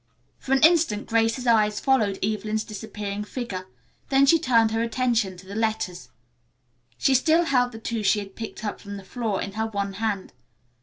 For an instant Grace's eyes followed Evelyn's disappearing figure, then she turned her attention to the letters. She still held the two she had picked up from the floor in her one hand.